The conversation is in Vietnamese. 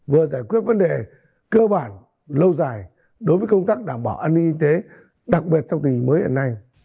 vừa giải quyết vấn đề cơ bản lâu dài đối với công tác đảm bảo an ninh kinh tế đặc biệt trong tình hình mới hiện nay